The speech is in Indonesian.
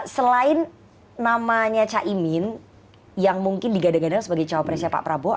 selain namanya caimin yang mungkin digadang gadang sebagai cawapresnya pak prabowo